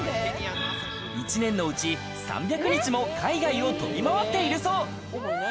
１年のうち３００日も海外を飛び回っているそう。